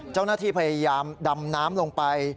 เจ้าหน้าที่พยายามดำน้ำลงไป